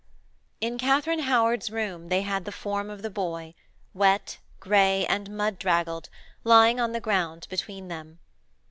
IV In Katharine Howard's room they had the form of the boy, wet, grey, and mud draggled, lying on the ground between them.